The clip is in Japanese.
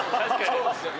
そうですよね。